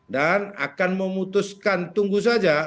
dan akan memutuskan tunggu saja